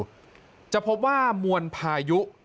เดี๋ยวจะให้ดูจะพบว่ามุณพายุ